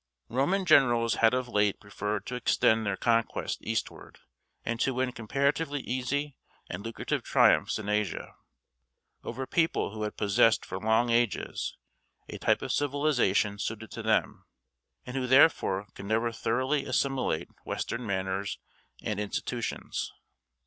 Roman generals had of late preferred to extend their conquests eastward, and to win comparatively easy and lucrative triumphs in Asia, over people who had possessed for long ages a type of civilization suited to them, and who therefore could never thoroughly assimilate Western manners and institutions.